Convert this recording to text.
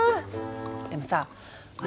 でもさ私